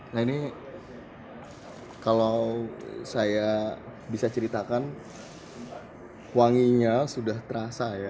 nah ini kalau saya bisa ceritakan wanginya sudah terasa ya